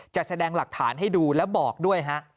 จะแสดงหลักฐานให้ดูแล้วบอกด้วยฮะ